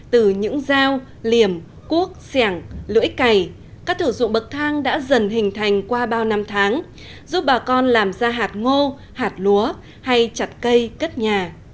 từ những dao liềm cuốc sẻng lưỡi cày các thử dụng bậc thang đã dần hình thành qua bao năm tháng giúp bà con làm ra hạt ngô hạt lúa hay chặt cây cất nhà